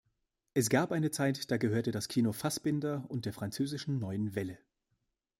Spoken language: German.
Es gab eine Zeit, da gehörte das Kino Fassbinder und der französischen neuen Welle.